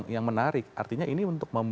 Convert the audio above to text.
yang menarik artinya ini untuk